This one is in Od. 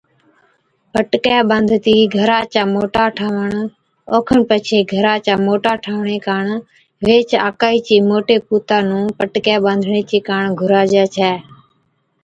پٽڪَي ٻانڌتِي گھرا چا موٽا ٺاهوڻ، اوکن پڇي گھرا چا موٽا ٺاھوڻي ڪاڻ ويھِچ آڪھِي چي موٽي پُوتا نُون پٽڪَي ٻانڌڻي چي ڪاڻ گھُراجَي ڇَي